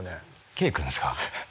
圭君ですか？